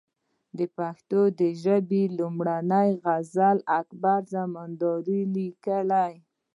د پښتو ژبي لومړنۍ غزل اکبر زمینداوري ليکلې